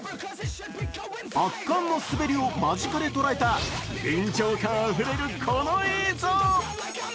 圧巻の滑りを間近で捉えた緊張感あふれるこの映像。